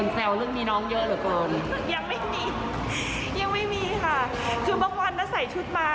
ยังไม่ท้องนะคะเพราะว่าโควิดด้วยเราออกมาทำงาน